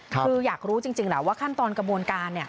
คืออยากรู้จริงแหละว่าขั้นตอนกระบวนการ